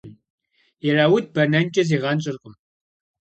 Ирауд бэнэнкӏэ зигъэнщӏыркъым.